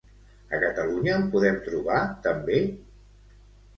A Catalunya en podem trobar també?